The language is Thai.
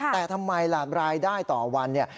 แต่ทำไมล่ะรายได้ต่อวันเนี่ย